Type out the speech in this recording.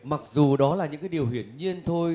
mặc dù đó là những điều huyển nhiên thôi